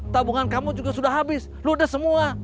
tabungan kamu juga sudah habis ludes semua